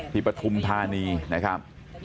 ที่ประทุมธานีนะครับ